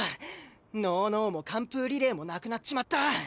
ノーノーも完封リレーもなくなっちまった！